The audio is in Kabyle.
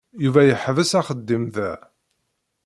Yuba yeḥbes axeddim da.